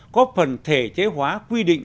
có phần thể chế hóa quy định